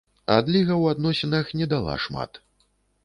Адліга ў адносінах не дала шмат.